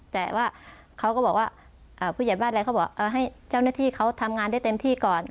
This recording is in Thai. แต่ว่าเขาก็บอกว่าผู้ใหญ่บ้านอะไรเขาบอกให้เจ้าหน้าที่เขาทำงานได้เต็มที่ก่อน